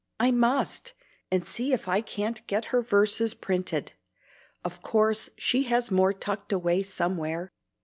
I must! and see if I can't get her verses printed. Of course she has more tucked away somewhere.